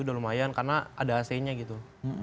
udah lumayan karena ada ac nya gitu